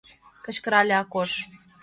— кычкырале Акош.